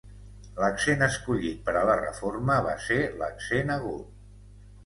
L'accent escollit per a la reforma va ser l'accent agut.